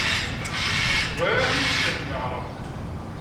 Bɣiɣ ad t-id-sfehmeɣ.